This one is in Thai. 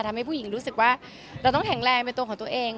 ทำให้ผู้หญิงรู้สึกว่าเราต้องแข็งแรงเป็นตัวของตัวเอง